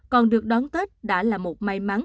còn được đón tết đã là một may mắn